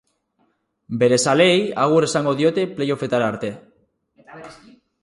Bere zaleei agur esango diote play-offetara arte.